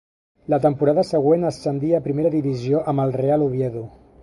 La temporada següent ascendí a primera divisió amb el Real Oviedo.